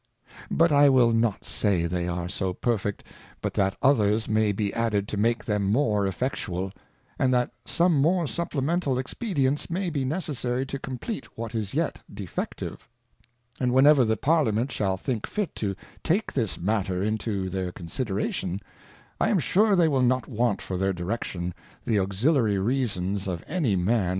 But I will not say they are so perfect, but that others may be added to make them more effectual, and that some more Supplemental Expedients may be necessary to compleat what is yet defective : And whenever the Parliament shall think fit to take this Matter into their Coii sideration, I am sure they will not want for their Direction the Auxiliary Reasons of any Man.